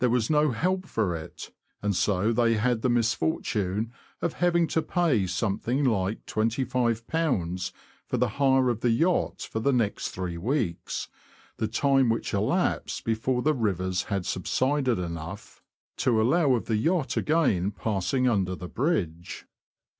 There was no help for it, and so they had the misfortune of having to pay something like £2^ for the hire of the yacht for the next three weeks, the time which elapsed before the rivers had subsided enough to allow of the yacht again passing under the bridge.